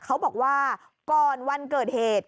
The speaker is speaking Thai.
เขาบอกว่าก่อนวันเกิดเหตุ